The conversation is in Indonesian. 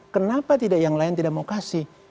kenapa tidak yang lain tidak mau kasih